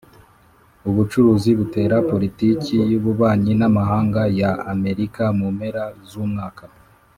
ubucuruzi butera politiki y’ububanyi n’amahanga ya amerika mu mpera zu mwaka